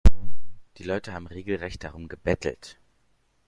Die Leute haben regelrecht darum gebettelt.